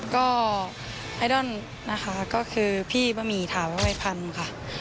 ก็ไอดอลนะคะก็คือพี่บะหมี่ถาวรวัยพันธุ์ค่ะ